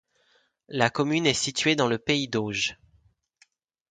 La commune est située dans le pays d'Auge.